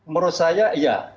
menurut saya iya